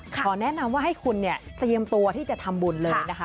ขอแนะนำว่าให้คุณเตรียมตัวที่จะทำบุญเลย